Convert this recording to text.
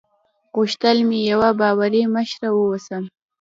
غوښتل مې یوه باوري مشره واوسم.